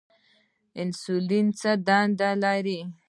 انسولین څه دنده لري؟